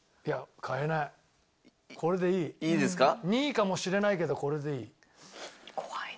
２位かもしれないけどこれでいい。